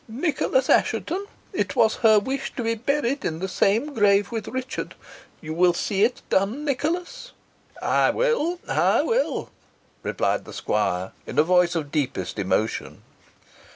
Nicholas Assheton it was her wish to be buried in the same grave with Richard. You will see it done, Nicholas?" "I will I will!" replied the squire, in a voice of deepest emotion.